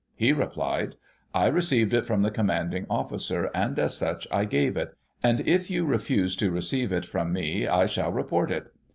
He replied :* I received it from the Commanding Officer, and, as such, I gave it ; and, if you refuse to receive it from me;, I shall report it.'